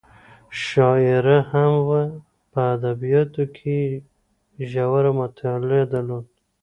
شاعره هم وه په ادبیاتو کې یې ژوره مطالعه درلوده.